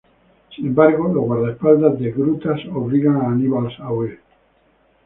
Sin embargo, los guardaespaldas de Grutas obligan a Hannibal a huir.